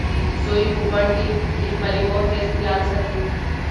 زوی یې په بن کې د خپلې مور ډېر خیال ساتي.